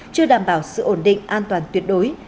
chưa đảm bảo sự ổn định an toàn tuyệt đối